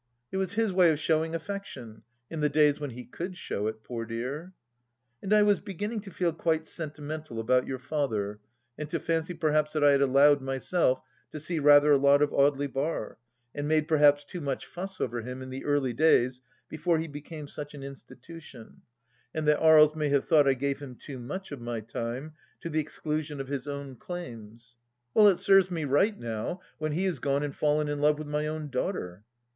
It was his way of showing affection — in the days when he could show it, poor dearl And I was beginning to feel quite sentimental about your father, and to fancy perhaps that I had allowed myself to see rather a lot of Audely Bar, and made perhaps too much fuss over him in the early days before he became such an institution, and that Aries may have thought I gave him too much of my time, to the exclusion of his own claims ?... Well, it serves me right now, when he has gone and fallen in love with my own daughter